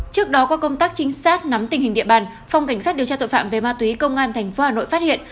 trước đó qua công tác trinh sát nắm tình hình địa bàn phòng cảnh sát điều tra tội phạm về ma túy công an tp hà nội phát hiện